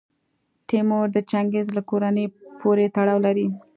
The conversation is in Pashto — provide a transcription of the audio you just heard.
تیمور د چنګیز له کورنۍ پورې تړاو لري.